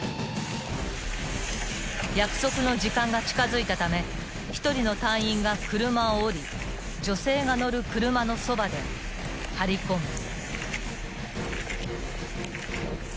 ［約束の時間が近づいたため１人の隊員が車を降り女性が乗る車のそばで張り込む］